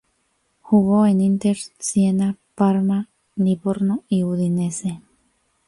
Jugó en Inter, Siena, Parma, Livorno y Udinese.